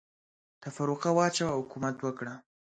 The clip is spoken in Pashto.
تفرقه واچوه ، حکومت وکړه.